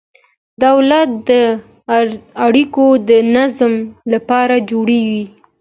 دولت د اړیکو د نظم لپاره جوړیږي.